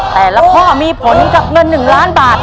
แป่ละข้อมีผลจากเงินหนึ่งล้านบาท